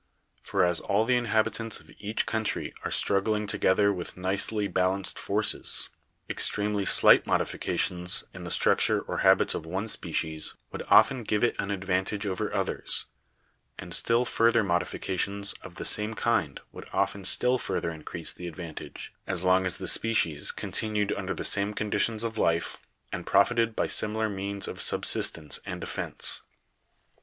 For as all the inhabitants of each country are struggling together with nicely balanced forces, extremely slight modifications in the structure or habits of one species would often give it an advantage over others; and still further modifica tions of the same kind would often still further increase the advantage, as long as the species continued under the same conditions of life and profited by similar means of subsistence and defense.